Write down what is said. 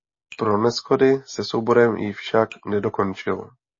Pro neshody se souborem ji však nedokončil.